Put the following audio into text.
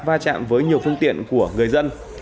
va chạm với nhiều phương tiện của người dân